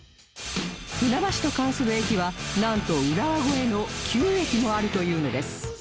船橋と冠する駅はなんと浦和超えの９駅もあるというのです